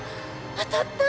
当たった。